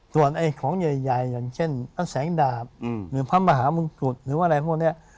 ส่วนของใหญ่อย่างเช่นแสงดาบหรือพระมหามงกุฎหรือว่าอะไรพวกนี้